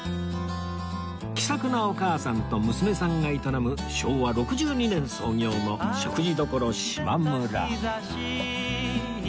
気さくなお母さんと娘さんが営む昭和６２年創業の食事処島村